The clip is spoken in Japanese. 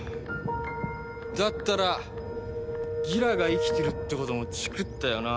だったらギラが生きてるってこともチクったよな？